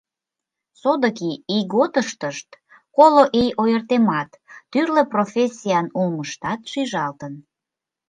Содыки ийготыштышт коло ий ойыртемат, тӱрлӧ профессиян улмыштат шижалтын.